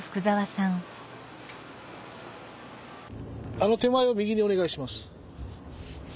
あの手前を右にお願いします。